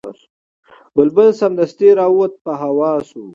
بلبل سمدستي را ووت په هوا سو